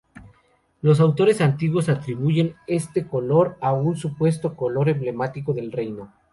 Los autores antiguos atribuyen este color a un supuesto color emblemático del reino.